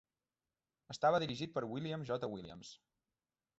Estava dirigit per William J. Williams.